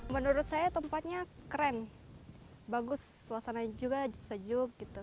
menurut saya tempatnya keren bagus suasana juga sejuk